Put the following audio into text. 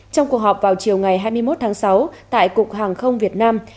trong cuộc họp vào chiều ngày hai mươi một tháng sáu tại cục hàng không việt nam